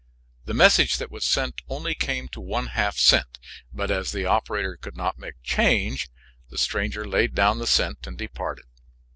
The message that was sent only came to one half cent, but as the operator could not make change the stranger laid down the cent and departed.